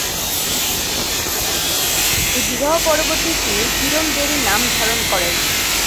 এই বিবাহ পরবর্তী তিনি 'কিরণ বেরি' নাম ধারণ করেন।